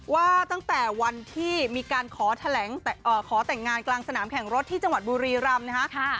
ว่าตั้งแต่วันที่มีการขอแต่งงานกลางสนามแข่งรถที่จังหวัดบุรีรำนะคะ